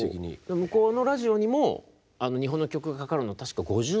向こうのラジオにも日本の曲がかかるの確か５０年ぶりぐらいだった。